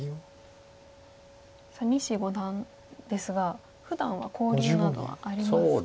さあ西五段ですがふだんは交流などはありますか？